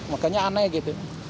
makanya aneh gitu